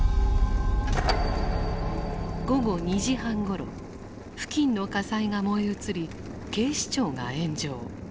午後２時半ごろ付近の火災が燃え移り警視庁が炎上。